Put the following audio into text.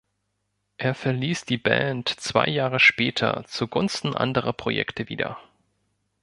Er verließ die Band zwei Jahre später zugunsten anderer Projekte wieder.